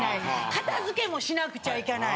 片付けもしなくちゃいけない。